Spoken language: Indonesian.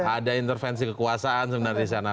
ada intervensi kekuasaan sebenarnya disana